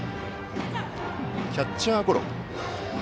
キャッチャーゴロ。